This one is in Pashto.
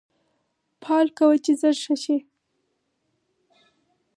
پال کوه چې زر ښه شې